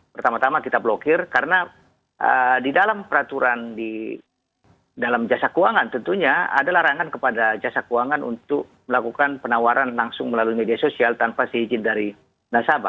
pertama tama kita blokir karena di dalam peraturan di dalam jasa keuangan tentunya ada larangan kepada jasa keuangan untuk melakukan penawaran langsung melalui media sosial tanpa seijin dari nasabah